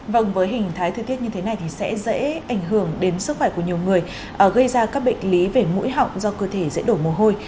vâng với hình thái thời tiết như thế này thì sẽ dễ ảnh hưởng đến sức khỏe của nhiều người gây ra các bệnh lý về mũi họng do cơ thể dễ đổ mồ hôi